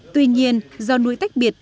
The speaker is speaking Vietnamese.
tuy nhiên do nuôi tách biệt